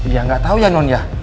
ya gak tau ya non ya